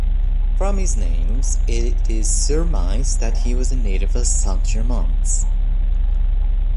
From his names, it is surmised that he was a native of Saint Germans.